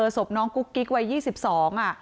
สบน้องกุ๊กกิ๊กวันยี่สิบสอง